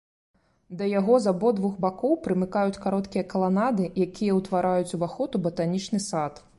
Да яго з абодвух бакоў прымыкаюць кароткія каланады, якія ўтвараюць ўваход у батанічны сад.